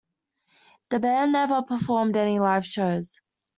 The band never performed any live shows.